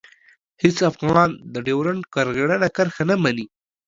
هېڅ افغان د ډیورنډ کرغېړنه کرښه نه مني.